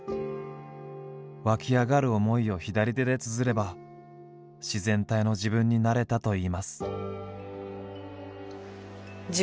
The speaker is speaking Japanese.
湧き上がる思いを左手でつづれば自然体の自分になれたといいます。